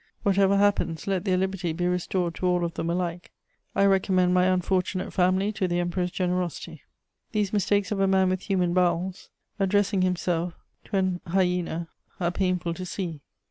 Whatever happens, let their liberty be restored to all of them alike. I recommend my unfortunate family to the Emperor's generosity." These mistakes of a man with human bowels addressing himself to an hyena are painful to see.